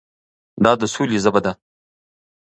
دا د سولې ژبه ده.